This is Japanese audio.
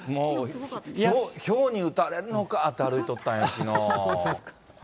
ひょうに打たれるのかって歩いとったんや、きのう。